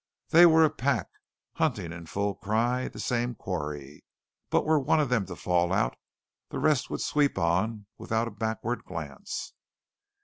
They were a pack, hunting in full cry the same quarry; but were one of them to fall out, the rest would sweep on without a backward glance.